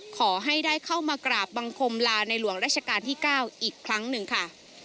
ขอให้ได้เข้ามากราบบังคมลาในหลวงราชการที่๙อีกครั้งหนึ่งค่ะ